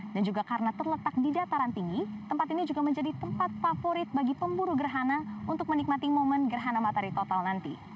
dan juga karena terletak di dataran tinggi tempat ini juga menjadi tempat favorit bagi pemburu gerhana untuk menikmati momen gerhana matahari total nanti